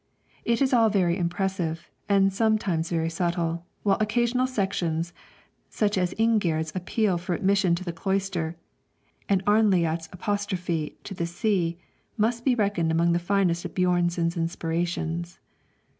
It is all very impressive, and sometimes very subtle, while occasional sections, such as Ingigerd's appeal for admission to the cloister, and Arnljot's apostrophe to the sea, must be reckoned among the finest of Björnson's inspirations.